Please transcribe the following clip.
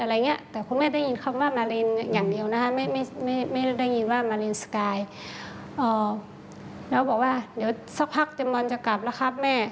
แล้วบอกว่าเดี๋ยวสักพักจำบอลจะกลับแม่